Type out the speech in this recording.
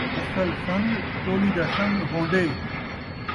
اصل سنڳ، چولی دا سنڳ ہوندے